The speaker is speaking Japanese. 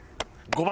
５番。